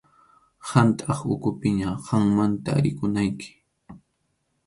Qamtaq ukhupiña, qammanta rikunayki.